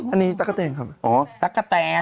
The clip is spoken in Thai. อันนี้ตะกะแจ่นครับอ๋อตะกะแจ่น